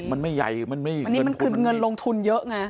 มันไม่ใหญ่มันไม่ใหญ่มันคือเงินลงทุนเยอะไง